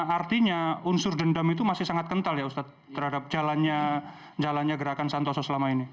artinya unsur dendam itu masih sangat kental ya ustadz terhadap jalannya gerakan santoso selama ini